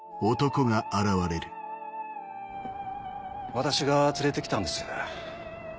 ・私が連れてきたんです。